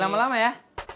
jangan lama ya